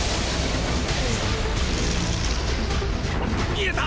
見えた！！